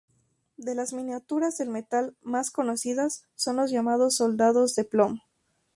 De las miniaturas de metal más conocidas son los llamados soldados de plomo.